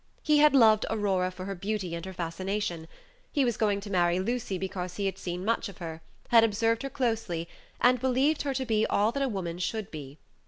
He had loved Aurora for her beauty and her fascination; he was going to marry Lucy because he had seen much of her, had observed her closely, and believed her to be all that a woman should be.